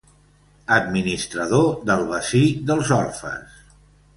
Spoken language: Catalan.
Administrador del bací dels orfes.